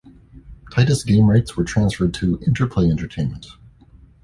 Titus game rights were transferred to Interplay Entertainment.